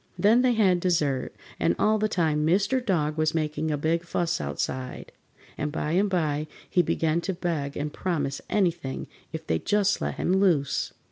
Then they had dessert, and all the time Mr. Dog was making a big fuss outside, and by and by he began to beg and promise anything if they'd just let him loose.